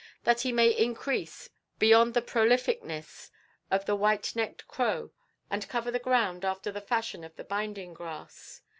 That he may increase beyond the prolificness of the white necked crow and cover the ground after the fashion of the binding grass.